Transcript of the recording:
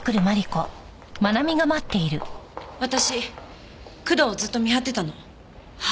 私工藤をずっと見張ってたの。は？